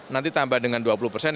nanti tambah dengan dua puluh persen